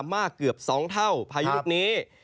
มากเกือบ๒เท่าพายุลูกนี้